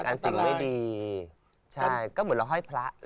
เหมือนจะรอห้อยพระ